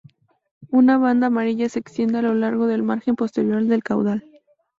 Una banda amarilla se extiende a lo largo del margen posterior del caudal.